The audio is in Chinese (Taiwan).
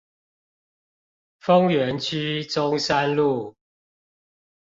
豐原區中山路